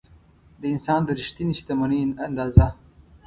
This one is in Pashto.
د انسان د رښتینې شتمنۍ اندازه.